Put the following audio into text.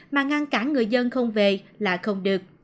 mà ngăn cản người dân không về là không được